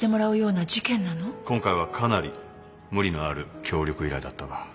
今回はかなり無理のある協力依頼だったが。